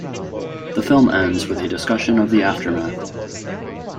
The film ends with a discussion of the aftermath.